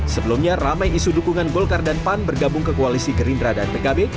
sebelumnya ramai isu dukungan golkar dan pan bergabung ke koalisi gerindra dan pkb